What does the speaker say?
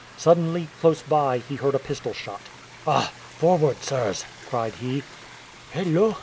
Suddenly, close by he heard a pistol shot. "Ah! forward, sirs!" cried he. "Hullo!"